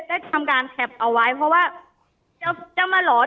แต่คุณยายจะขอย้ายโรงเรียน